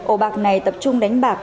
ổ bạc này tập trung đánh bạc